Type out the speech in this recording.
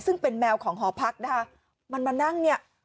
ซึ่งเป็นแมวของหอพักนะคะมันมานั่งเนี่ย